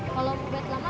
kalau ubed lama gimana